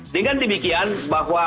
dengan demikian bahwa